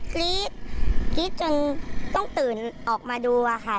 กรี๊ดจนต้องตื่นออกมาดูค่ะ